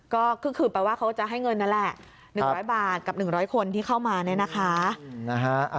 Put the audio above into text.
ก็คือแปลว่าเขาจะให้เงินนั่นแหละ๑๐๐บาทกับ๑๐๐คนที่เข้ามาเนี่ยนะคะ